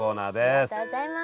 ありがとうございます。